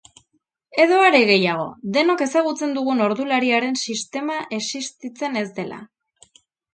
Edo are gehiago, denok ezagutzen dugun ordulariaren sistema esistitzen ez dela.